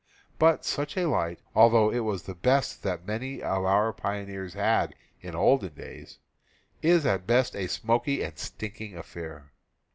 But such a light, although it was the best that many of our pioneers had in the olden days, is at best a smoky and stinking affair.